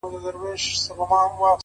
ورځم د خپل تور سوي زړه په تماشې وځم _